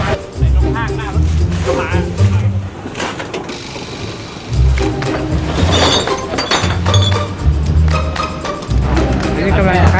และที่เราต้องใช้เวลาในการปฏิบัติหน้าที่ระยะเวลาหนึ่งนะครับ